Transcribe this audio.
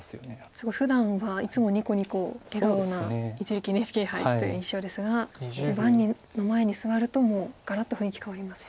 すごいふだんはいつもニコニコ笑顔な一力ＮＨＫ杯という印象ですが盤の前に座るともうがらっと雰囲気変わりますよね。